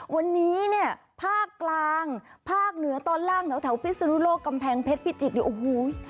วันนี้เนี่ยภาคกลางภาคเหนือตอนล่างแถวพิศนุโลกกำแพงเพชรพิจิตรเนี่ยโอ้โห